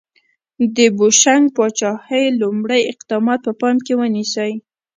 د بوشنګ پاچاهۍ لومړي اقدامات په پام کې ونیسئ.